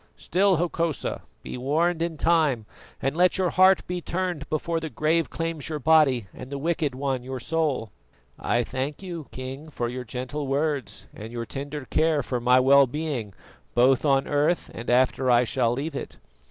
Still, Hokosa, be warned in time and let your heart be turned before the grave claims your body and the Wicked One your soul." "I thank you, King, for your gentle words and your tender care for my well being both on earth and after I shall leave it.